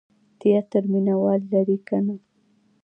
تیاتر مینه وال لري که نه؟